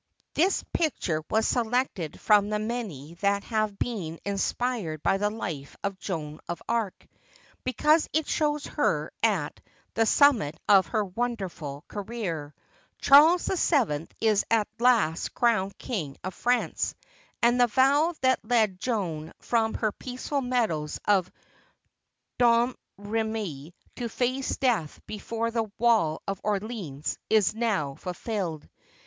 This picture was selected from the many that have been inspired by the life of Joan of Arc, because it shows her at the summit of her wonderful career. Charles VII is at last crowned King of France, and the vow that led Joan from the peaceful meadows of Domremy to face death before the walls of Orleans, is now fulfilled.